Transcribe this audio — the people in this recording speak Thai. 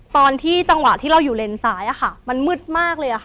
ตอนที่จังหวะที่เราอยู่เลนซ้ายมันมืดมากเลยค่ะ